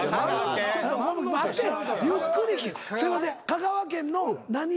香川県の。